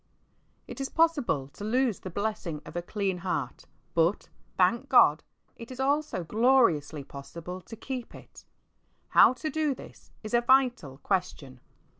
I T is possible to lose the blessing of a clean heart, but, thank God, it is also gloriously possible to keep it. How to do this is a vital question.